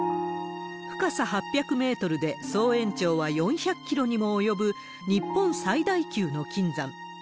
深さ８００メートルで総延長は４００キロにも及ぶ、日本最大級の金山。